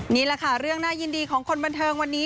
นี่แหละค่ะเรื่องน่ายินดีของคนบันเทิงวันนี้